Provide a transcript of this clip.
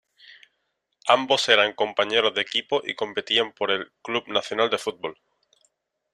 Ambos eran compañeros de equipo y competían por el Club Nacional de Football.